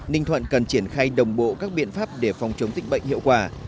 ninh thuận cần triển khai đồng bộ các biện pháp để phòng chống dịch bệnh hiệu quả